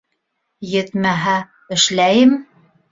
Етмәһә, эшләйем.